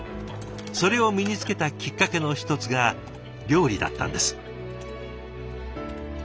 それを身につけたきっかけの一つが料理だったんです。